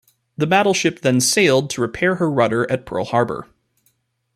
The battleship then sailed to repair her rudder at Pearl Harbor.